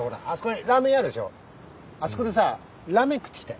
あそこでさラーメン食ってきて。